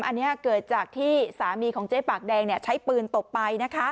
อันนี้เกิดจากที่สามีของเจ๊ปากแดงใช้ปืนตบไปนะคะ